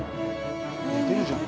寝てるじゃん。